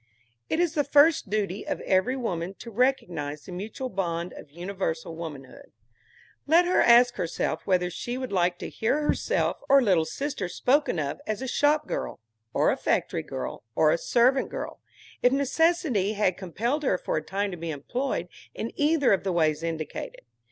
It is the first duty of every woman to recognize the mutual bond of universal womanhood. Let her ask herself whether she would like to hear herself or little sister spoken of as a shop girl, or a factory girl, or a servant girl, if necessity had compelled her for a time to be employed in either of the ways indicated.